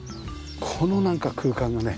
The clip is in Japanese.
このなんか空間がね。